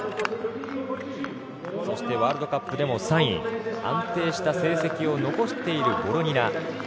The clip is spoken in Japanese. そしてワールドカップでも３位安定した成績を残しているボロニナ。